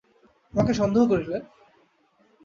আমাকে সন্দেহ করিলে?